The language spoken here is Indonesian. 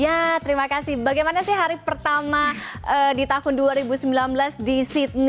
ya terima kasih bagaimana sih hari pertama di tahun dua ribu sembilan belas di sydney